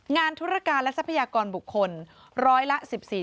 ธุรการและทรัพยากรบุคคลร้อยละ๑๔